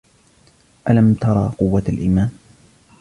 الم ترى قوة الإيمان؟